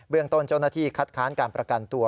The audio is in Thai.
เรื่องต้นเจ้าหน้าที่คัดค้านการประกันตัว